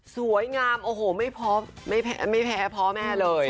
สวยงามโอโหไม่พ้อไม่แพ้พ้อแม่เลย